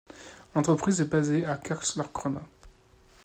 L'entreprise est basée à Karlskrona.